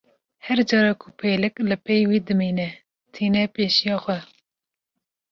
Her cara ku pêlik li pey wî dimîne, tîne pêşiya xwe.